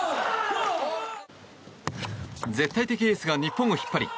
絶対的エースが日本を引っ張り